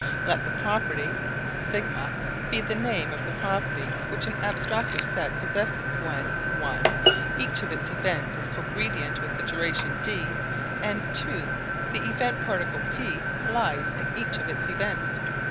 Let the property σ be the name of the property which an abstractive set possesses when (i) each of its events is cogredient with the duration d and (ii) the event particle P lies in each of its events.